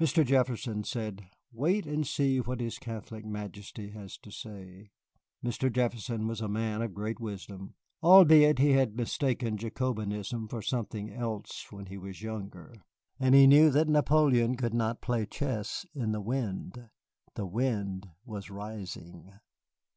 Mr. Jefferson said, "Wait and see what his Catholic Majesty has to say." Mr. Jefferson was a man of great wisdom, albeit he had mistaken Jacobinism for something else when he was younger. And he knew that Napoleon could not play chess in the wind. The wind was rising.